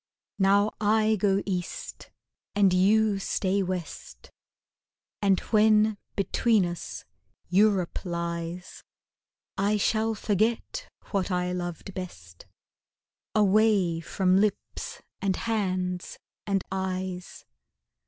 Now I go East and you stay West And when between us Europe lies I shall forget what I loved best Away from lips and hands and eyes.